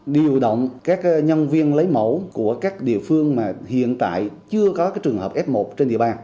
điều động các nhân viên lấy mẫu của các địa phương mà hiện tại chưa có trường hợp f một trên địa bàn